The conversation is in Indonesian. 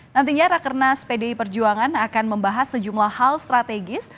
nantinya rakernas pdi perjuangan akan membahas sejumlah hal strategis